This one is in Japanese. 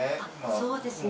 そうですね